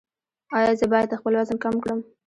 ایا زه باید خپل وزن کم کړم؟